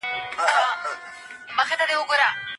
څېړونکي د حکومتونو د لوېدو پر اصلي لاملونو نوې څېړنې ترسره کوي.